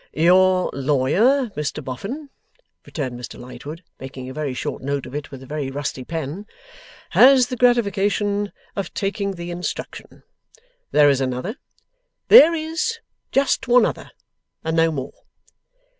'Your lawyer, Mr Boffin,' returned Lightwood, making a very short note of it with a very rusty pen, 'has the gratification of taking the instruction. There is another?' 'There is just one other, and no more.